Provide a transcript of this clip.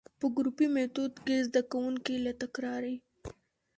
په ګروپي ميتود کي زده کوونکي له تکراري،